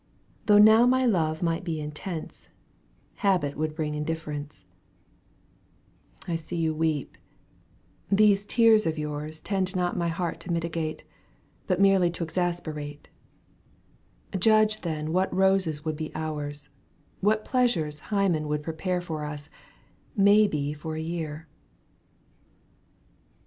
Though now my love might be intense, Habit would bring indififerejice. I see you weep. Those tears of yours Digitized by VjOOQ 1С 104 EUGENE 0N:EGUINE. caisitoiv. Tend not my heart to mitigate, But merely to exasperate ; Judge then what roses would be ours, What pleasures Hymen would prepare For us, may be for many a year.